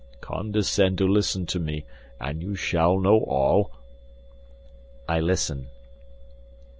"Condescend to listen to me, and you shall know all." "I listen."